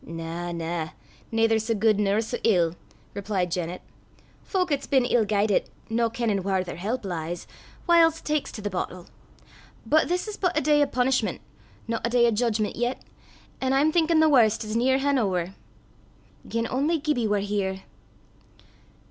"Na, na; naither sae guid nor sae ill," replied Janet. "Fowk 'at's been ill guidit, no kennin' whaur their help lies, whiles taks to the boatle. But this is but a day o' punishment, no a day o' judgment yet, an' I'm thinkin' the warst's nearhan' ower. Gien only Gibbie war here!"